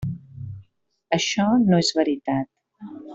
Això no és veritat.